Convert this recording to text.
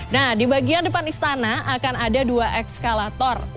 nah di bagian depan istana akan ada dua ekskalator